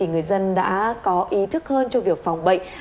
người dân đã có ý thức hơn trong việc phòng bệnh